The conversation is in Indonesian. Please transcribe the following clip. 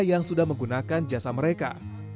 yang sudah menggunakan jasa mereka